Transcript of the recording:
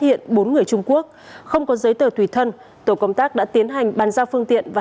hiện bốn người trung quốc không có giấy tờ tùy thân tổ công tác đã tiến hành bàn giao phương tiện và